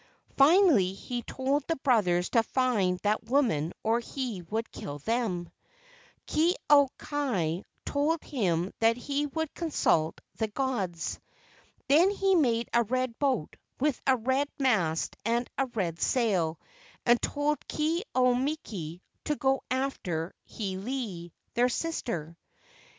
Finally he told the brothers to find that woman or he would kill them. Ke au kai told him that he would consult the gods. Then he made a red boat with a red mast and a red sail and told Ke au miki to go after Hiilei, their sister.